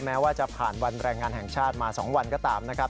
แม้ว่าจะผ่านวันแรงงานแห่งชาติมา๒วันก็ตามนะครับ